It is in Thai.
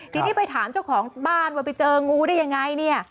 ทีนี้ไปถามเจ้าของบ้านว่าไปเจองูได้ยังไงเนี่ย